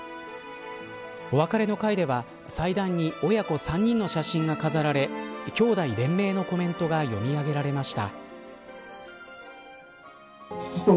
お別れの会では祭壇に親子３人の写真が飾られ兄弟連名のコメントが読み上げられました。